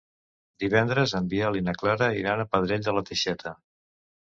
Divendres en Biel i na Clara iran a Pradell de la Teixeta.